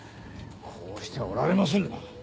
こうしてはおられませんな。